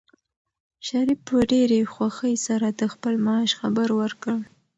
شریف په ډېرې خوښۍ سره د خپل معاش خبر ورکړ.